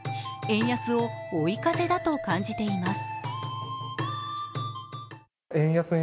円安を追い風だと感じています。